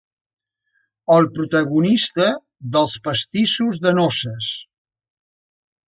El protagonista dels pastissos de noces.